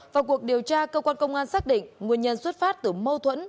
vào cuộc điều tra cơ quan công an xác định nguyên nhân xuất phát từ mâu thuẫn